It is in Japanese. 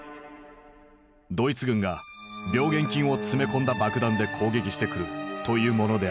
ドイツ軍が病原菌を詰め込んだ爆弾で攻撃してくるというものである。